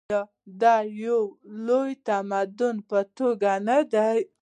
آیا د یو لوی تمدن په توګه نه دی؟